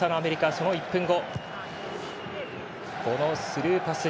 その１分後。